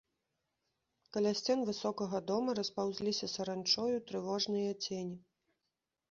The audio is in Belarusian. Каля сцен высокага дома распаўзліся саранчою трывожныя цені.